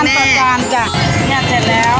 จานต่อจานจ้ะเนี่ยเสร็จแล้ว